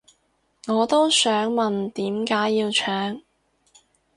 我都想問點解要搶